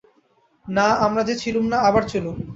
বা, আমরা যে ছিলুম না, আবার চলুন।